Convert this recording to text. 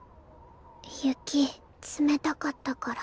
雪冷たかったから。